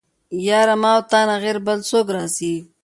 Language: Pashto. يره ما او تانه غير بل څوک راځي.